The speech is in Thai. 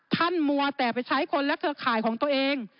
ท่านมวลแต่ไปใช้คนและขาของตัวเอง